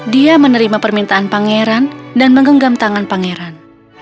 dia menerima permintaan pangeran dan menggenggam tangan pangeran